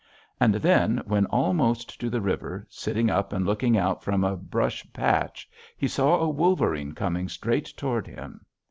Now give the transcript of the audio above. And then, when almost to the river, sitting up and looking out from a brush patch, he saw a wolverine coming straight toward him.